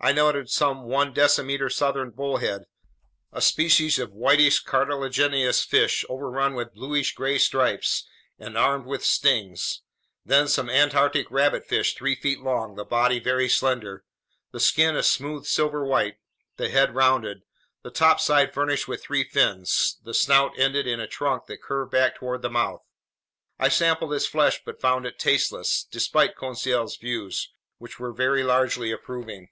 I noted some one decimeter southern bullhead, a species of whitish cartilaginous fish overrun with bluish gray stripes and armed with stings, then some Antarctic rabbitfish three feet long, the body very slender, the skin a smooth silver white, the head rounded, the topside furnished with three fins, the snout ending in a trunk that curved back toward the mouth. I sampled its flesh but found it tasteless, despite Conseil's views, which were largely approving.